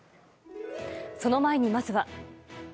その前にまずは。